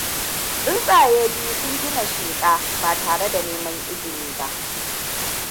Tsuntsaye biyu sun gina sheƙa ba tare da neman izini ba.